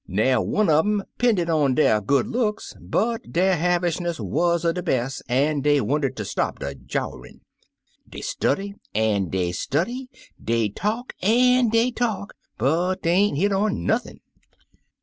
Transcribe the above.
Na'er one un um 'pended on der good looks, but der ha\rishness wuz er de best, an' dey wanted ter stop de jowerin*. Dey study an' dey study, dey talk an' dey talk, but dey ain't hit on nothin'.